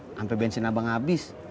sampai bensin abang abis